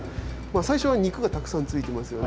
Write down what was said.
最初は肉がたくさんついてますよね？